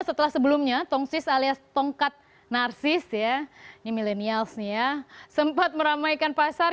setelah sebelumnya tongsis alias tongkat narsis ini millennials sempat meramaikan pasar